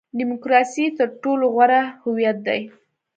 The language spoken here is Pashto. ډیموکراسي تر ټولو غوره هویت دی.